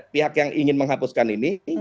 pihak yang ingin menghapuskan ini